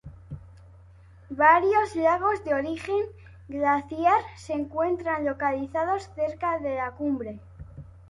Varios lagos de origen glaciar se encuentran localizados cerca de la cumbre.